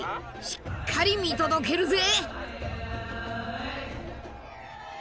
しっかり見届けるぜ！